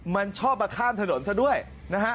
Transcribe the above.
มันชอบมาข้ามถนนซะด้วยนะฮะ